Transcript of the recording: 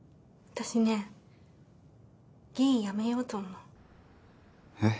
私ね議員辞めようと思うえッ？